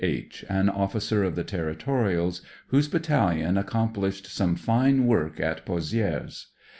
H , an officer of the Territorials, whose Battalion accompUshed some fine work at Pozidres.